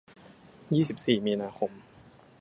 ยี่สิบสี่ มีนาคม